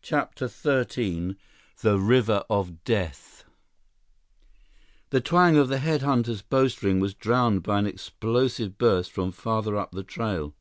CHAPTER XIII The River of Death The twang of the head hunter's bowstring was drowned by an explosive burst from farther up the trail.